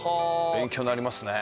勉強になりますね